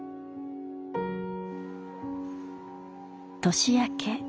年明け。